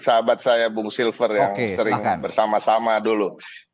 sahabat saya bung silver yang sering bersama sama dulu